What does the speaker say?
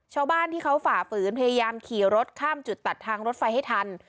ชาวบ้านที่เขาฝ่าฝืนพยายามขี่รถข้ามจุดตัดทางรถไฟให้ทัน